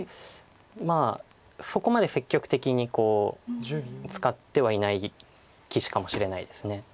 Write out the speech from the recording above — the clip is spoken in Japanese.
まあそこまで積極的に使ってはいない棋士かもしれないです。